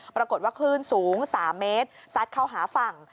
ปรากฏว่าคลื่นสูง๓เมตรซัดเข้าหาฝั่ง